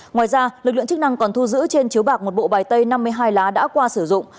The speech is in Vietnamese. ngoài ra lực lượng chức năng còn thu giữ trên chiếu bạc một bộ bài tay năm mươi hai lá đã qua sử dụng